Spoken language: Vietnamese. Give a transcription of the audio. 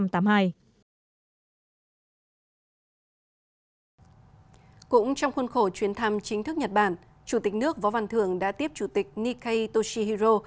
trong các khuôn khổ chuyến thăm chính thức nhật bản chủ tịch nước võ văn thường đã tiếp chủ tịch nikai toshihiro